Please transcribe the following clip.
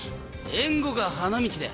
援護が花道だ。